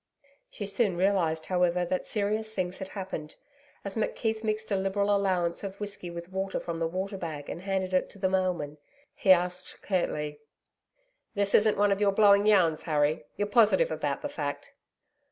She soon realised, however, that serious things had happened. As McKeith mixed a liberal allowance of whisky with water from the water bag and handed it to the mailman, he asked curtly: 'This isn't one of your blowing yarns, Harry? You're positive about the fact?'